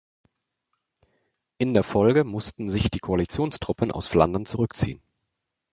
In der Folge mussten sich die Koalitionstruppen aus Flandern zurückziehen.